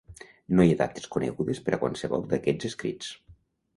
No hi ha dates conegudes per a qualsevol d'aquests escrits.